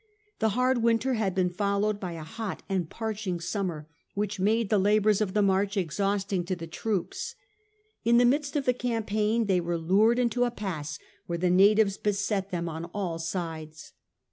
The hard winter had been followed by a hot and parching summer which made the labours of the march exhausting to the troops. In the midst of the campaign they were lured into a pass where the natives beset them on all sides.